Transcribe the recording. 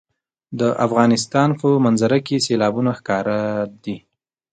د افغانستان په منظره کې سیلابونه ښکاره ده.